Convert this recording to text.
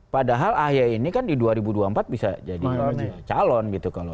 padahal ahy ini kan di dua ribu dua puluh empat bisa jadi calon gitu kalau